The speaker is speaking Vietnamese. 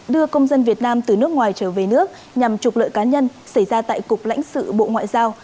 đưa công dân việt nam từ nước ngoài trở về nước nhằm trục lợi cá nhân xảy ra tại cục lãnh sự bộ ngoại giao